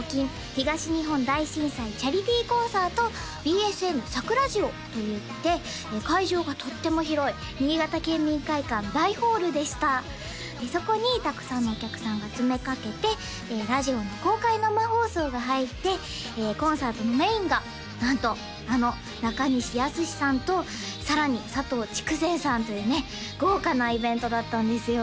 東日本大震災チャリティーコンサートＢＳＮサクラジオといって会場がとっても広い新潟県民会館大ホールでしたそこにたくさんのお客さんが詰めかけてラジオの公開生放送が入ってコンサートのメインがなんとあの中西保志さんとさらに佐藤竹善さんというね豪華なイベントだったんですよ